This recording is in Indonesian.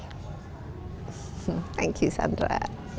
thank you sandra